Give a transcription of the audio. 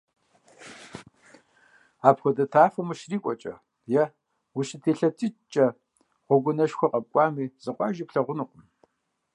Апхуэдэ тафэм ущрикӀуэкӀэ е ущытелъэтыкӀкӀэ, гъуэгуанэшхуэ къэпкӀуами, зы къуажи плъагъункъым.